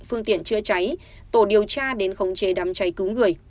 phương tiện chữa cháy tổ điều tra đến khống chế đám cháy cứu người